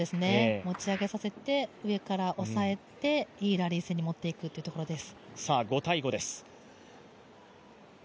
持ち上げさせて上から押さえて、いいラリー戦に持っていくというところです。